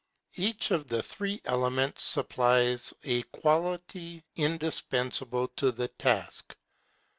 Each of the three elements supplies a quality indispensable to the task.